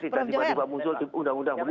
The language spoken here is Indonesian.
prof johair silakan ada yang ingin menanggapi